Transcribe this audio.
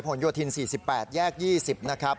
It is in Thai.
ซอยผลโยธิน๔๘แยก๒๐นะครับ